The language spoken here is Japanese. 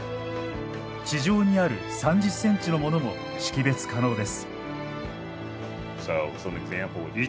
地上にある３０センチのものも識別可能です。